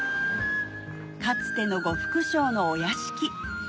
かつての呉服商のお屋敷